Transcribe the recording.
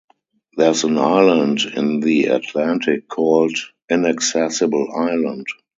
There’s an island in the Atlantic called Inaccessible Island.